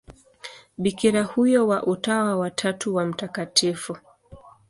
Bikira huyo wa Utawa wa Tatu wa Mt.